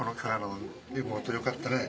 よかったね。